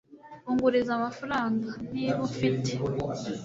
unguriza amafaranga, niba ufite